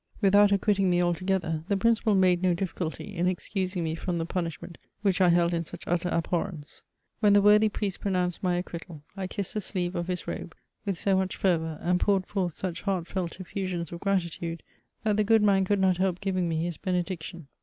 Without acquitting me altogether, the Principal made no difficulty in excusing me from the punishment which I held in such utter abhorrence. When the worthy priest pronounced my acquittal^ I kissed the sleeve of his robe with so much fervour, and poured forth such heartfelt effusious of gratitude, that the good man could not help giving me his benediction.